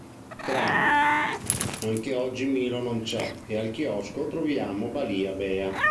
Trama: Anche oggi Milo non c'è e al chiosco troviamo Balia Bea.